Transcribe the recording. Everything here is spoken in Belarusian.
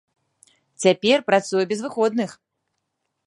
Цяпер працуе без выходных.